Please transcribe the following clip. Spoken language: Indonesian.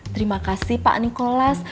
terima kasih pak nikolas